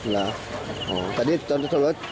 อ๋อตอนนี้แพร่จมอยู่ในน้ำใช่ไหมครับ